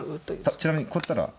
ちなみにこうやったら？